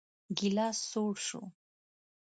ګيلاس سوړ شو.